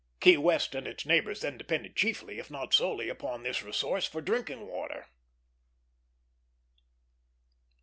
Key West and its neighbors then depended chiefly, if not solely, upon this resource for drinking water.